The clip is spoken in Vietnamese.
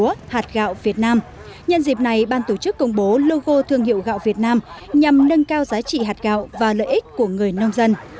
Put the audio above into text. lúa hạt gạo việt nam nhân dịp này ban tổ chức công bố logo thương hiệu gạo việt nam nhằm nâng cao giá trị hạt gạo và lợi ích của người nông dân